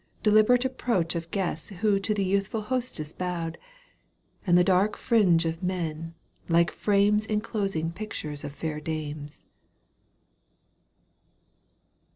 Deliberate approach of guests Who to the youthful hostess bowed, And the dark fringe of men, like frames Enclosing pictures of fair dames.